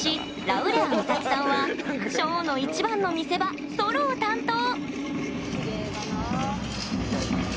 ラウレア美咲さんはショーの一番の見せ場ソロを担当。